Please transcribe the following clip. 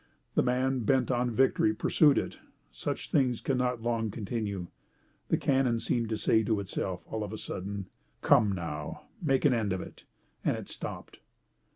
The man, bent on victory, pursued it. Such things cannot long continue. The cannon seemed to say to itself, all of a sudden, "Come, now! Make an end of it!" and it stopped.